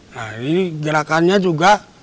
nah ini gerakannya juga